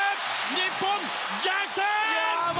日本、逆転！